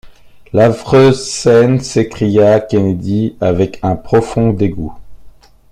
L’affreuse scène! s’écria Kennedy avec un profond dégoût.